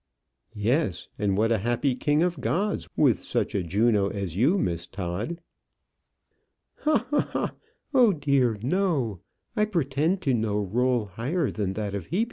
"Yes; and what a happy king of gods with such a Juno as you, Miss Todd!" "Ha! ha! ha! oh dear, no. I pretend to no rôle higher than that of Hebe.